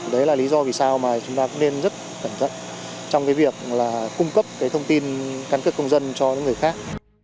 đấy là lý do vì sao mà chúng ta cũng nên rất cẩn thận trong cái việc là cung cấp cái thông tin căn cước công dân cho những người khác